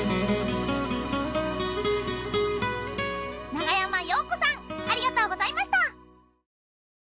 長山洋子さんありがとうございました。